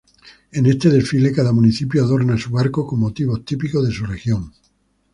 En este desfile cada municipio adornaba su barco con motivos típicos de su región.